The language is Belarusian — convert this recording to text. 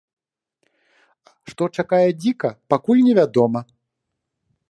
Што чакае дзіка, пакуль не вядома.